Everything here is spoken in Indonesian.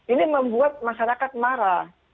ini membuat masyarakat marah